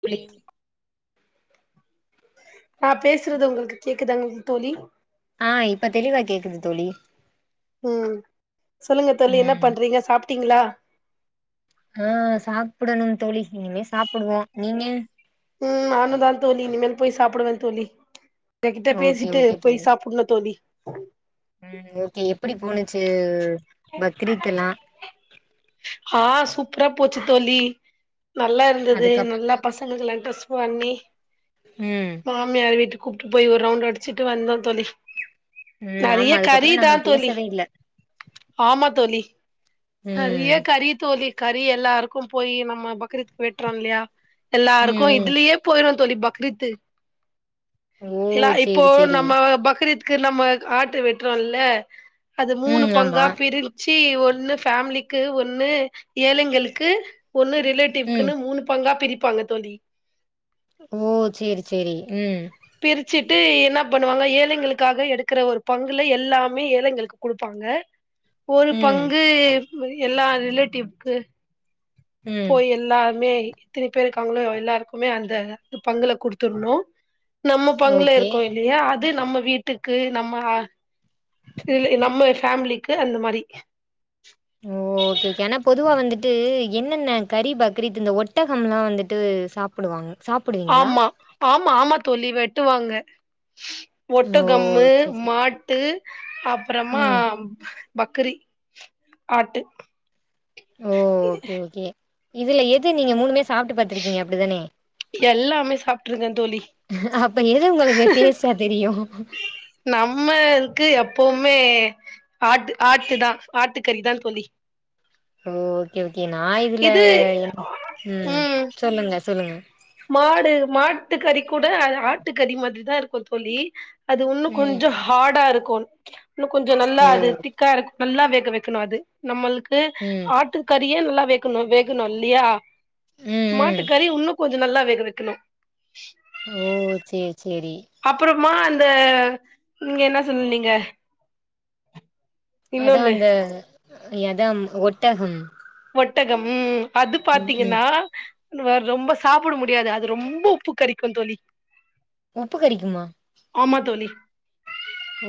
புளி சோ ஆஹபேசுறது உங்களுக்கு கேக் கேக்குதாங்க தோழி ஆஹ் இப்ப தெளிவா கேக்குது தோழி உம் சொல்லுங்க தோழி என்ன ம் பண்றீங்க சாப்பிட்டீங்களா ஹா ஆஹ் சாப்பிடணும் தோழி இனிமே சாப்பிடுவோம் நீங்க உம் நானு தான் தோழி இனிமேல் போய் சாப்பிடுவன் தோழி உங்க கிட்ட ஓகே பேசிட்டு போய் சாப்பிடுனும் தோழி உம் ஓகே எப்படி போணுச்சு பக்ரீத் எல்லா ஆஹ் சூ சூப்பரா போச்சு தோழி நல்லா இருந்தது அதுக்கப் நல்லா பசங்களுக் டெஸ்பண்ணி ம் மாமியார் வீட்டு கூப்பிட்டு போய் ஒரு ரவுண்ட் அடிச்சிட்டு வந்தோம் தோழி ம் நிறைய ஆமா அதுக்கப்புறோ நம்ம கறிதான் தோழி பேசவே இல்ல ஆமா தோழி நேறைய ம் கறி தோழி கறி எல்லாருக்கும் போய் நம்ம பக்ரீத்க்கு வெட்டுறோம் இல்லையா ம் எல்லாருக்கும் ம் இதுலயே போயிரும் தோழி பக்ரீத் ஓ இல்ல இப்போ சேரி சேரி நம்ம பக்ரீத் பக்ரீத்க்கு நம்ம ஆட்டு வெட்டுறோல்ல அது மூணு ம் ஆமா பங்கா பிரிச்சி ஒ ஒண்ணு ஃபேமிலிக்கு ஒண்ணு ஏழங்களுக்கு ஒன்னு ம் ரிலேட்டிவ்க்குனு மூனு பங்கா பிரிப் பாங்க தோழி ஓ செரி செரி ம் ட்டு என்ன பண்ணுவாங்க ட்டு ட்டு ட்டு என்னா பண்ணுவாங்க ஏழைங்களுக்காக எடுக்கிற ஒரு பங்குல எல்லாமே ஏழைங்களுக்கு குடுப்பாங்க ஒரு ம் பங்கு எல்லா ரிலேட்டிவ்க்கு ம் போய் எல்லாமே எத்தனி பேர் இருக்காங்களோ எல்லாருக்குமே அந்த பங்குல குடுத்துணோம் நம்ம பங்குல ஓகே இருக்கோ இல்லையா அத் நம்ம வீட்டுக்கு நம்ம ஆ நம்ம ஃபேமிலிக்கு அந்த மாரி ஓகே ஓகே ஆனா பொதுவா வந்துட்டு என்னென்ன கறி பக்ரீத் இந்த ஒட்டகம்லா வந்துட்டு சாப்படுவாங்க ஆமா ஆமா ஆமா தோலி வெட் வாங்க ஓ ஒட்டகம்மு சேரி சேரி மாட்டு அப்பறமா ம் பக்கிரி ஆட்டு ஓ ஓகே ஓகே இதுல எது நீங்க மூணுமே சா சாப்ட்டு பாத்துருக்கீங்க அப்டிதானே எல்லாமே சாப்ட்ருக்கே தோழி அப்ப எது உங்களுக்கு ஹூஹூ டேஸ்ட்டா தெரியு ஓ நம்மளுக்கு எப்பயுமே ஆட்டு ஆட்டு தா ஆட்டு கறி தா தோலி ஓ ஓகே ஓகே நா இதுல என் ம் சொல்லுங்க சொல்லுங்க மாடு மாட்டுக்கறி கூட ஆட்டுக்கறி மாரி தா இருக்கு தோலி அது ஒன்னு ம் கொஞ்சம் ஹாடா இருக்கு [unintelligible] இன்னு கொஞ்சம் நல்லா ஓ அது திக்கா இருக்கு நல்லா வேக வைக்கணு அது நம்மளுக்கு ம் க்கு ஆட்டுக்கட் பியன வேக்கணும் வேகணும் இல்லயா ம் மாட்டு ம் கறி உன்னுக் கொஞ்சம் நல்லா வேக வைக்கணும் ஓ செரி அப்பறமா அந் அந்த நீங்க என்ன சொன்னீக அதான் அந்த எதம் ஓட்டகம் ஓட்டகம் ம் அது ம் பாத்தீங்கன்னா வர ரொம்ப சாப்பட முடியாது அது ரொம்ப உப்பு கறிக்கும் தொலி உப்பு கறிக்குமா ஆமா தோழி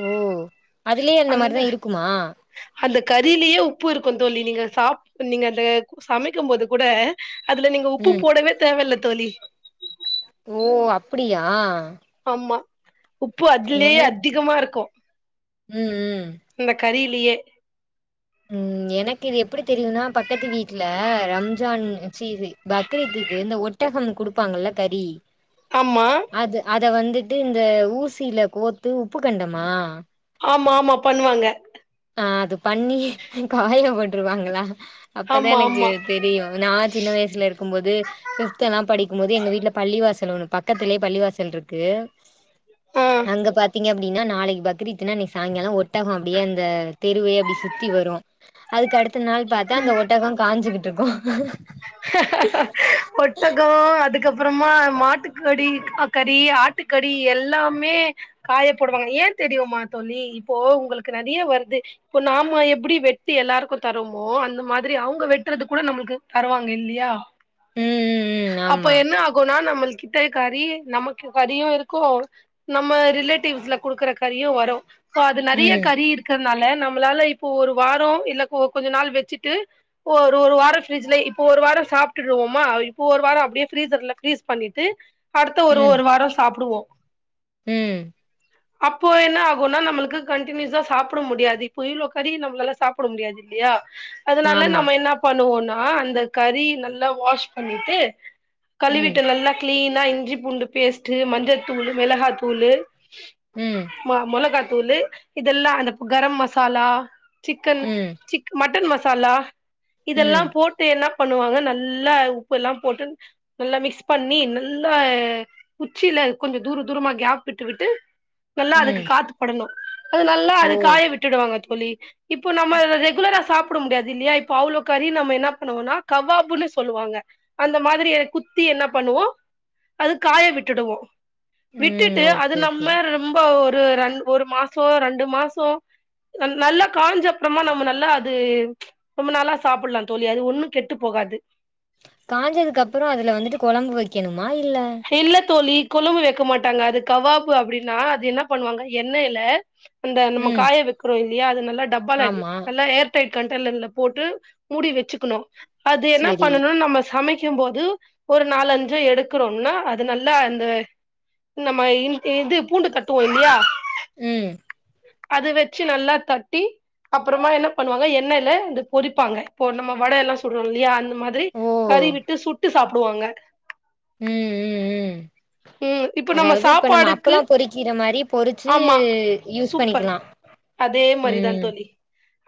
ஓஓ அந்த அந்த கறிலேயே உப்பு இருக்கு கொந்தோல்லி நீங்க சாப்ட நீங்க அந்த சமைக்கும் போது கூட அதுல நீங்க உப்பு ம் போடவே தேவையில்ல தொலி ஓ அப்டியா ஆமா உப்பு அதுலேயே எனக் அதிகமா இருக்கும் ம் ம் இந்த கறில் லியே ம் எனக்கு இது எப்டி தெரியும்னா பக்கத்து வீட்டுல ரம்ஜான் சீ பக்ரீதுக்கு இந்த ஒட்டகம் குடுப்பாங்கல்ல கறி ஆமா இத வந்துட்டு இந்த ஊசியில கோத்து உப்பு கண்டமா ஆமா ஆமா பண்ணுவாங்க அது பண்ணி காய போட்டுருவாங்களா அப்தான் ஆமா எனக்கு ஆமா தெரியும் நான சின்ன வயசுல இருக்கும் போது பிப்து எல்லாம் படிக்கும்போது எங்க வீட்டுல பள்ளிவாசல் இதல ஒன்னு க்கத்திலேயே பள்ளிவாசல் இருக்கு ஆ அங்க பாத்தீங்கப் நீங்க நாளைக்கு பக்கிரித்துன இன்னைக்கு சாயங்காலம் ஒ தவமட்டியன் ம் தெருவு அப்டி சுத்தி வரும் அதுக்கு அடுத்த நாள் பாத்தா அந்த ஒட்டகம் காஞ்சுகிட்டு இருக்கும் ஆ அப்புறமா மாட்டுக்கடி கறி ஆட்டுக்கடி எல்லாமே காயப்பெடுவாங்க ஏன் தெரியுமா தோழி இப்போ உங்களுக்கு நிறைய வருது இப்போ நாம எப்படி வெட்டு எல்லாருக்கும் தரமோ அந்த மாதிரி அவங்க வெட்டுறது கூட நம்மளுக்கு வருவாங்க இல்லையா ம் ம் ம் அப்ப ஆமா என்ன ஆகும்னா நம்மளுக்கு கித்தை கறி நமக்கு கறியோ இருக்கோ நம்ம ரிலேட்டிவ்ஸ்ல குடுக்குற கறியும் வரும் இப்போ அது நறிய ம் கறி இருக்க ருதுனால நம்மளால இப்போ ஒரு வாரோ இல்ல கொஞ்ச நாள் வெச்சுட்டு ஒரு ஒரு வாரோ ஃப்ரிஜ்ல இப்போ ஒரு வாரோ சாப்டுடுவோமா இப்போ ஒரு வாரோ அப்டியே ஃப்ரீசர்ல ஃப்ரீஸ் பண்ணிட்டு அடுத்த ஒரு ஒரு வாரம் சாப்டுவோம் உம் அப்போ என்ன ஆகுன்னா நம்மளுக்கு கண்டினுயூஸா சாப்புட முடியாது இப்போ இவ்ளோ கறி நம்மளால சாப்புட முடியாது இல்லையா அதனால ஆமா நம்ம என்ன பண்ணுவோன்னா ஆஹ் அந்த கறி நல்லா வாஷ் பண்ணிட்டு ம் களிவிட்டு நல்லா கிளீன் நல்லா இஞ்சி பூண்டு பேஸ்ட்டு மஞ்சத்தூளு மிளகாத்தூளு ம் மோலகட்டு தூளு இதெல்லா அந்த கரம் மசாலா சிக்கன் ம் மட்டன் மசா சால்லா இதெல்லா ம் என்ன பண்ணுவாங்க நல்லா உப்பெல்லா போட்டு நல்லா மிக்ஸ் பண்ணி நல்லா குச்சில கொஞ்சோ தூர தூரமா கேப் விட்டு விட்டு நல்லா அதுக்கு ம் காத்துப்படணும் அது நல்லா ஓ அது காய விட்டுடுவாங்க இப்ப நம்ம ரெகுலரா சாப்புட முடியாதுயில்லையா இப்போ அவ்ளோ கறி நம்ம என்ன பண்ணுவோன்னா கவாபுன்னு சொல்லுவாங்க அந்த மாதிரி குத்தி என்ன பண்ணுவோம் அது காய விட்டுடுவோம் ம் விட்டுட்டு அது ஓகே ஓகே நம்ம ரொம்ப ஒரு ரெண் ஒரு மாசோ ரெண்டு மாசோ நல்லா காஞ்ச அப்புறமா நம்ம நல்லா அது ரொம்ப நல்ல சாப்புடலாம் சொல்லி அது ஒன்னும் கெட்டு போகாது காஞ்சதுக்கு அப்புஅதுல வந்துட்டு கொழம்பு வெக்கணோ வோல் இல்ல இல்ல தோழி கொழம்பு வெக்க மாட்டாங்க அது கவாபு அப்டின்னா அது என்ன பண்ணுவாங்க எண்ணெயில அந்த நம்ம ம் காய வெக்குறோ இல்லையா அது நல்லா டப்பால அடி ஆமா நல்லா ஏர்டைட் கண்டெயின்னர்ல போட்டு மூடி வெச்சுக்ணோனும் அது என்ன சேரி பண்ணோன்னா நம்ம சமைக் கும்போது ஒரு நாலஞ்சோ எடு க்குறோல அது நல்லா இந்த நம்ம இது பூண்டு தட்டுவோம் இல்லையா ம் அது வச்சு நல்லா தட்டி அப்புறோமா என்ன பண்ணுவாங்க எண்ணெய்ல அ பொறிப்பாங்க இப்போ நம்ம வடை எல்லாம் சுட்றோம் இல்லயா மாரி ஓ கறி விட்டு சுட்டு சாப்டு போடுவாங்க ம் ம் ம் ம் இப்ப நம்ம அதாவது இப்ப நம்ம சாப்பாடுக்கு அப்பளோ பொறிக்கிற மாரி பொறிச்சு ஆமா யூஸ் சூப்பர் பண்ணிக்கலா அதே மாரிதான் ம் தோலி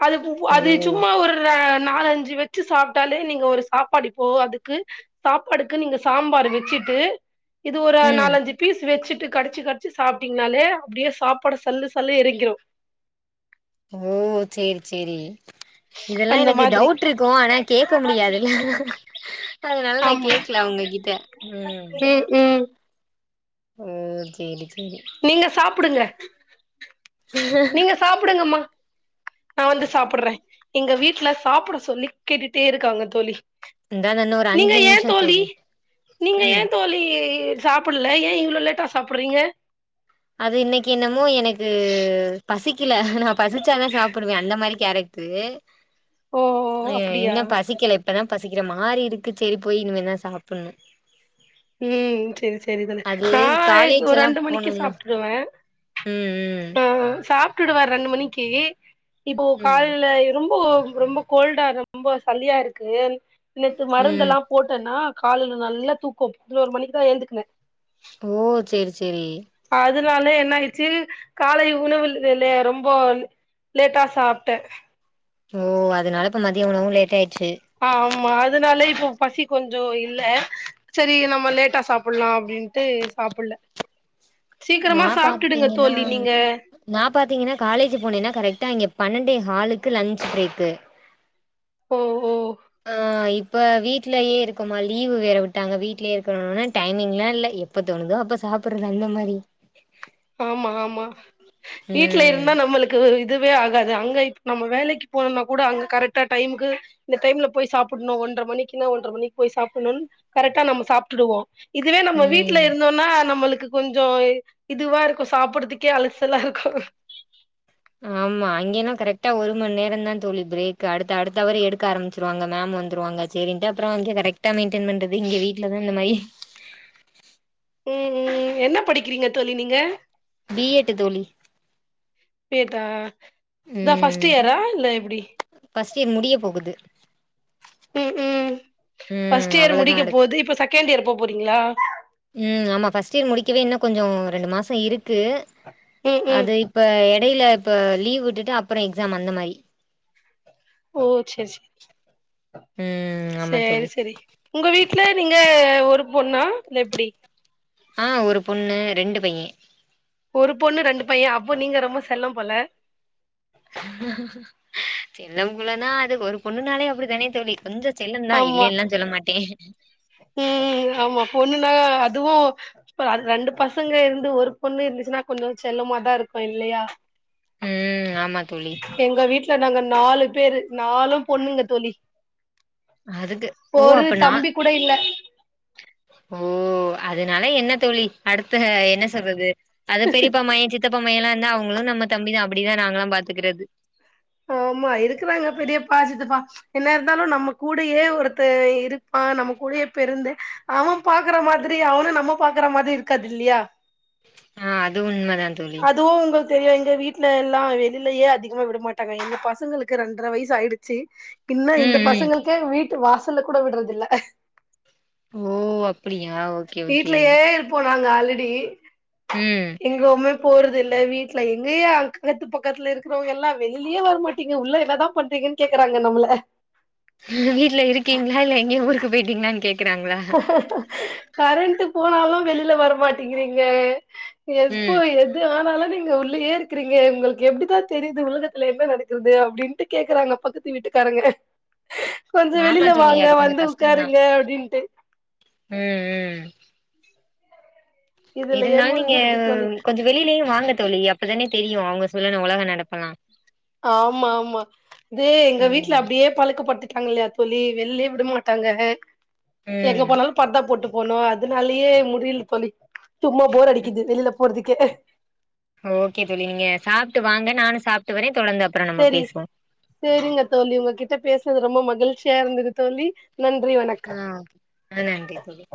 அது அது ஓ சும்மா ஒர் நாலஞ்சு வச்சு சாப்ட்டாலே நீங்க ஒரு சாப்பாடுப்போ அதுக்கு சாப்பாடுக்கு நீங்க சாம்பார் வெச்சிட்டு இது ஒரு ம் நாலஞ்சு பீஸ் வெச்சுட்டு இப்டி கடிச்சு கடிச்சு சாப்பட்டீங்கனாலே அப்டியே சாப்பாடு சல்லு சல்லு எரிங்கிறும் ஓ செரி செரி இதெல்லாம் அந்த எனக்கு மாதிரி டவுட்ருக்கும் ஆனா கேட்க முடியாதுல ஹஹ அதனால நான் ஆமா கேக்கல அவங்ககிட்ட ம் ம் ம் செரி செரி நீங்க சாப்படுங்க நீங்க சாப்படுங்கம்மா நான் வந்து சாப்றேன் எங்க வீட்ல சாப்ட சொல்லி கேட்டுட்டே இருக்காங்க தோலி இந்தா இன்னு ஒரு நீங்க அஞ்சு ஏன் நிமிஷோ தோலி தோழி நீங்க ம் ஏன் தோலி சாப்ல ஏன் இவ்ளோ லேட்டா சாப்பிறீங்க அது இன்னக்கி என்னமோ எனக்கு பசி பசிக்கல நான் பசிச்சாதான் சாப்டுவேன் அந்த மாரி கேரக்டரு ஓ அ அப்டியா இன்னு பசிக்கில இப்பதான் பசிக்கிற மாரி இருக்கு செரி போய் இனிமே தான் சாப்புணும் ம் செரி செரி தோலி காலேஜ் நான எல்லா ரெண்டு மணிக்கு போணும்னா சாப்பட்டேன் சாப்டுவேன் ம் ம் ச்சி உம் சாப் வுட்டுடுவார் ரெண்டு மணிக்கு இப்போ ம் காலல ஆயிரும் ரொம்போ ரொம்ப கோல்டா ரொம்ப சளியா இருக்கு நேத்து ம் மருந்தெல்லாம் போட்டேன்னா காலல நல்லா தூக்கோம் பதினொரு மணிக்குதான் ஏழுந்துக்னே ஓ செரி செரி அதனால என்ன ஆயிடுச்சு காலை உணவுல் வேல ரொம்ப லேட்டா சாப்ட்டேன் ஓ அதனால இப்ப மதிய உணவு லேட் ஆயிட்டு ஆ ஆமா அதனால இப்ப பசி கொஞ்சம் இல்ல சரி நம்ம லேட்டா சாப்புலாம் அப்படின்ட்டு சாப்பில நான பாத்தீங்கன்னா நான பாத்தீங்கன்னா காலேஜ் போனேன்னா கரெக்டா அங்க பன்னெண்டே காலுக்கு லஞ்சச் பிரேக் ஒ ஒ ஆ இப்ப இப்ப வீட்லயே இருக்கோமா லீவு வேற விட்டாங்க வீட்லயே இருக்கணும்னா டைமிங் எல்லாம் இல்ல எப்ப தோணுதோ அப்ப சாப்பிடுறது அந்த மாதிரி ஆமா ஆமா வீட்டுல ம் இருந்தா நம்மளுக்கு ஒரு இதுவே ஆகாது அங்க நம்ம வேலக்கு போனோம்னா கூட அங்க கரெக்டா டைமுக்கு இந்த டைம்ல போய் சாப்படணும் ஒன்றரை மணிக்குன்னா இதுவே நம்ம வீட்டுல ம் இருந்தோம்னா நம்மளுக்கு கொஞ்சம் இதுவா இருக்கும் சாப்பிடுறதுக்கே அலசலா இருக்கும் ஆமா அங்கே எல்லாம் ஒரு மணி நேரம் தான் தோழி பிரேக் அடுத்தவர் மேம் வந்துருவாங்க அங்கே கரெக்ட் என்னபண்றத இங்க வீட்டுல தான் இந்த மாரி உஹம் உம் என்ன படிக்கிறீங்க தோலி நீங்க பி எட்டு தோழி டேட்டா இதான் ஃபஸ்ட் இயரா இல்ல எப்படி ஃபஸ்ட் இயர் முடிய போகுது உம் உம் ம் ஃபர்ஸ்ட் இயர் அவ்வளதா முடிக்க அடுத் போது இப்ப செகண்டியரு போப்போரிங்களா ம் ஆமா ஃபர்ஸ்ட் இயர் முடிக்கவே இன்னும் கொஞ்சம் ரெண்டு மாசம் இருக்கு ம் ம் அது இப்ப இடையில இப்ப லீவ் விட்டுட்டு அப்புறம் எக்ஸாம் அந்த மாதிரி உம் செரி செரி ம் ஆமா தோழி செரி செரி உங்க வீட்டுல நீங்க ஒரு பொண்ணா இல்லா எப்படி ஆ ஒரு பொண்ணு ரெண்டு பையன் ஒரு பொண்ணு ரெண்டு பையன் அப்போ நீங்க ரொம்ப செல்லம் போல சின்னபுள்ளான அதுஒரு பொண்ணு நாளே அப்படி தானே தோழிகொஞ்சம் செல்லந்தா இல்ல ஆமா இல்லானு சொல்ல மாட்டேன் ம் ஆமா பொண்ணுன்னா அதுவும் ரெண்டு பாசங்க இருந்து ஒரு பெண் இருந்த கொஞ்சம் செல்லமா தான் இருக்கும் இல்லையா ம்ம் ஆமா தோழி எங்க வீட்டு்ல நாங்க நாலு பேரு நாளும் பொண்ணுங்க தோழி அதுக்கு ஓ ஒரு அப்ப நான் தம்பி கூட இல்ல ஓ அதனால என்ன தோழி அடுத்த என்ன சொல்றது அது பெரியப்பா மையன் சித்த அப்பமைய எல்லாம் இருந்தா அவங்களும் நம்ம தம்பி தான் அப்படிதான் நாங்களல்லாம் பாத்துக்குறது ஆமா இருக்கறாங்க பெரியப்பாஜித்தப்பா என்ன இருந்தாலும் நம்ம கூடயே ஒருத்த இருப்பான் நம்ம கூடயே பெருந்து அவன் பாக்குற மாரி அவனும் நம்ம பாக்குற மாரி இருக்காது இல்லயா ஆஹ் அது உண்மை தான் தோல அதுவு உங்களுக்கு தெரியு எங்க வீட்டுல எல்லாம் வெளியிலேயே அதிகமா விடமாட்ட எங்க ரெண்டு பசங்களுக்கு ரெண்டர வயசு ஆயிடுச்சு பின்ன இந்த ம் ம் பசங்களுக்கே வீட் வாசல்ல கூட விடுறதுல்ல ஓ அப்படியா ஓகே ஓகே வாங்க ஆல்ரெடி ம் இங்க உம போறது இல்ல வீட்டுல எங்கயும் அக்கத்து பக்கத்துல இருக்கிறவங்க எல்லாம் வெளிலேயே வரமாட்டீங்க உள்ள என்னதான் பண்றீங்கன்னு கேக்குறாங்க நம்மள வீட்டுல இருக்கீங்களா இல்ல எங்க ஊருக்கு போயிட்டீங்களான்னு கே கரெண்ட் போனாலும் வெளியில வரமாட்டிங்கிறீங்க எப்போ ம் எது ஆனாலும் நீங்க உள்ளயே இருக்கிறீங்க உங்களுக்கு எப்படிதான் தெரியுது உலகத்துல என்ன நடக்கது அப்படின்ட்டு கேக்குறாங்க பக்கத்து வீட்டுக்காரங்க கொஞ்சம் ஆமா வெளியில தோழி வாங்க அது கொஞ்சோ வந்து கஷ்டந்தா உட்காருங்க அப்படின்ட்டு ம் ம் உம் இதுலயே இருந்தாலும் நீங்க முடிஞ்சிருது தோழி கொஞ்சம் வெளியிலயும் வாங்க தோழி அப்தானே தெரி யும் அவங்க சொல்லர உலக நடப்பலாம் ஆமா ஆமா இதே எங்க வீட்டுல ம் அப்படியே பழக்கப்பட்டு பன்னிட்டாங்கலாய தோழி வெள்ளே விட மாட்டாங்க எங்க ம் போனாலும் பார்தா போட்டு போனும் அதனாலயே முடில தோழி சும்மா போர் அடிக்குது வெளியில போறதுக் ஒகே ஓகே தோலி நீங்க சாப்பிட்டு வாங்க நானும் சாப்ப இது வரேன் செரி செரிங்க தோழி உங்ககிட்ட பேசுறது ரொம்ப ம- மகிழ்ச்சியா இருந்தது தோழி நன்றி வணக்கம் ஆ ஆ நன்றி தோழி